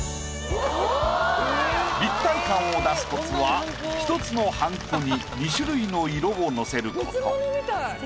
立体感を出すコツは１つのはんこに２種類の色をのせる事。